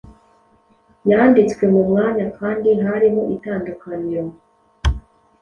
yanditswe mu mwanya kandi hariho itandukaniro